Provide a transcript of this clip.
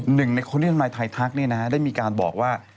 หนึ่งในคนที่ท่านมายไทยทักได้มีการบอกว่า